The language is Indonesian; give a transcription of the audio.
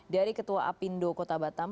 dari ketua apindo kota batam